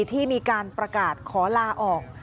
ที่มีการประกาศขอลาออก